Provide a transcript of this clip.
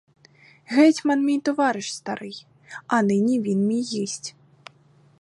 Гетьман мій товариш старий, а нині він мій гість.